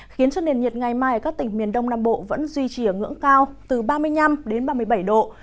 khiến cho nền nhiệt ngày mai ở các tỉnh miền đông nam bộ vẫn duy trì ở ngưỡng cao từ ba mươi năm đến ba mươi bảy độ